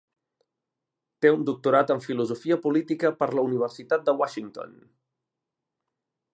Té un doctorat en filosofia política per la universitat de Washington.